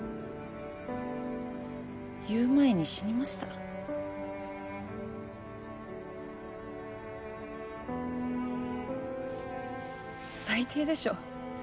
言う前に死にました最低でしょ？